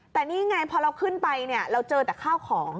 แต่นี่ไงพอเราขึ้นไปเนี่ยเราเจอแต่ข้าวของ